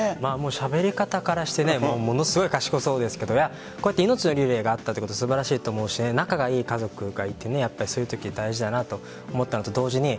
しゃべり方からしてものすごい賢そうですけどこうやって命のリレーがあったことは素晴らしいし仲がいい家族がいてそういうとき大事だなと思ったのと同時に